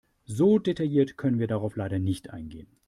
So detailliert können wir darauf leider nicht eingehen.